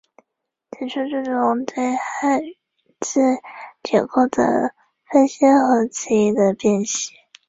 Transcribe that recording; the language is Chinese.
此书注重对汉字结构的分析和词义的辨析。